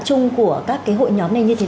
chung của các cái hội nhóm này như thế